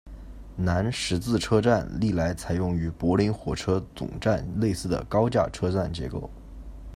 南十字车站历来采用与柏林火车总站类似的高架车站结构。